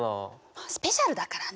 スペシャルだからね。